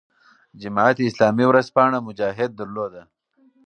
جمعیت اسلامي ورځپاڼه "مجاهد" درلوده.